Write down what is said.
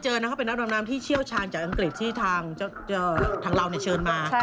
หลังจากทำนำที่เชี่ยวชาญจากอังกฤษที่ทางทางเราเชิญมา